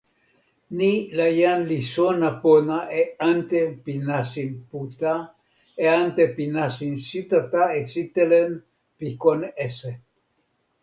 ni la jan li sona pona e ante pi nasin Puta e ante pi nasin Sitata e sitelen pi kon Ese.